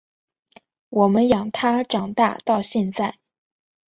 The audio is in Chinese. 我们养他长大到现在